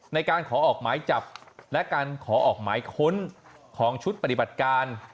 ในการขอออกหมายจับและการขอออกหมายค้นของชุดปฏิบัติการ